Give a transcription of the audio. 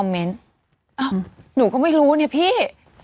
หนูก็ไม่รู้เนี่ยพี่